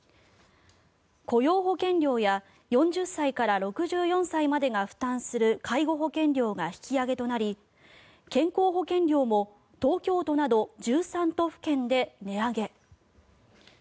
雇用保険料や４０歳から６４歳までが負担する介護保険料が引き上げとなり健康保険料も東京都など１３都府県で値上げ。